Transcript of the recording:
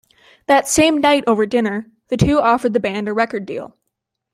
That same night over dinner, the two offered the band a record deal.